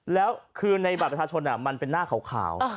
แล้วคือในบัตรประชาชนมันเป็นหน้าขาว